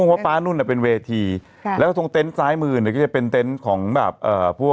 หัวพล้ายนู่นเป็นเวทีแล้วตังส์สดได้มือเป็นเต็มของแบบพวก